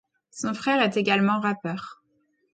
Son frère est également rappeur.